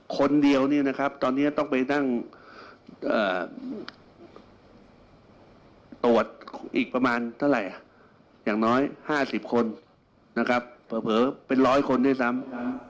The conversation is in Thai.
คนเดียวตอนนี้ต้องไปนั่งตรวจอีกประมาณอย่างน้อย๕๐คนเผลอเป็น๑๐๐คนด้วยซ้ำ